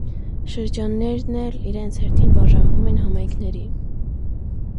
Շրջաններն էլ իրենց հերթին բաժանվում են համայնքների։